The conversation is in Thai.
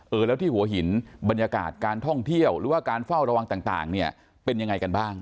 แล้วที่หัวหินบรรยากาศการท่องเที่ยวหรือว่าการเฝ้าระวังต่างเนี่ยเป็นยังไงกันบ้าง